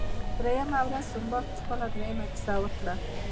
دریمه ورځ سنباد خپله دریمه کیسه وکړه.